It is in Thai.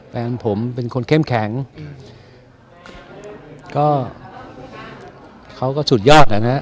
แฟนผมเป็นคนเข้มแข็งอืมก็เขาก็สุดยอดอ่ะนะ